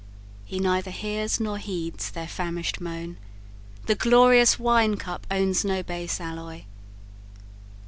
He neither hears, nor heeds their famish'd moan, The glorious wine cup owns no base alloy.